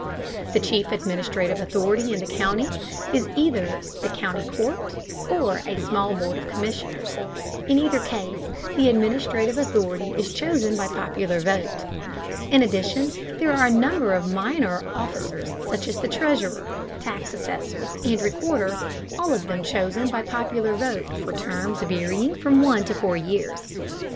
The chief administrative authority in the county is either the county court, or a small board of commissioners. In either case the administrative authority is chosen by popular vote. In addition there are a number of minor officers such as the treasurer, tax assessor, and recorder, all of them chosen by popular vote for terms varying from one to four years.